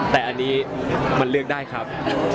แต่อันนี้มันเลือกได้ครับ